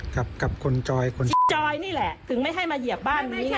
กับคนจอยคนนี้จอยนี่แหละถึงไม่ให้มาเหยียบบ้านนี้ไง